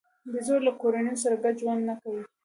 بیزو له کورنیو سره ګډ ژوند نه کوي.